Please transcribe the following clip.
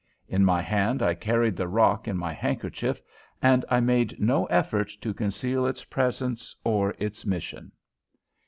In my hand I carried the rock in my handkerchief, and I made no effort to conceal its presence or its mission.